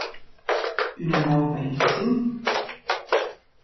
Üna nouva ediziun?